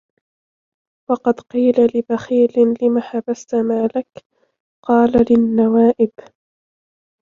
وَقَدْ قِيلَ لِبَخِيلٍ لِمَ حَبَسْتَ مَالَك ؟ قَالَ لِلنَّوَائِبِ